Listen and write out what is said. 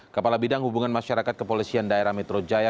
kepala bidang hubungan masyarakat kepolisian daerah metro jaya